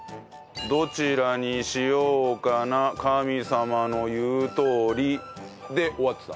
どちらにしようかな神様の言うとおりで終わってた。